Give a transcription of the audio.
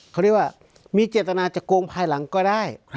เขาเรียกว่ามีเจตนาจะโกงภายหลังก็ได้